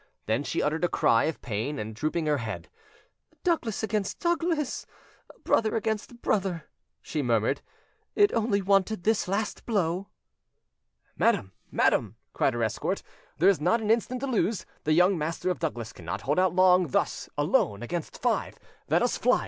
Then she uttered a cry of pain, and drooping her head— "Douglas against Douglas; brother against brother!" she murmured: "it only wanted this last blow." "Madam, madam," cried her escort, "there is not an instant to lose: the young master of Douglas cannot hold out long thus alone against five; let us fly!